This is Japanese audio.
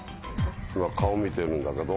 今顔見てるんだけど。